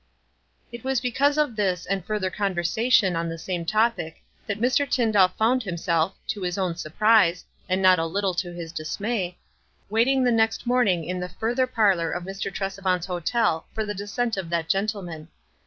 It was because of this and further conversa tion on the same topic that Mr. Tyndall found himself, to his own surprise, and not a little to his dismay, waiting the next morning in the further parlor of Mr. Tresevant's hotel for the descent of that gentleman.